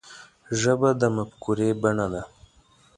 ژبه د مفکورې بڼه ده